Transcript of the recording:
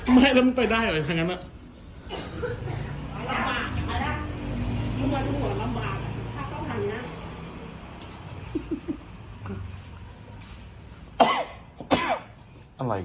แล้วรถเข้าชีวิตกูนี่น่ะแม่ดูลำบากจังมากนี่